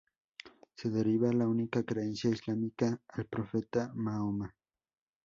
Se deriva la única creencia islámica al Profeta Mahoma.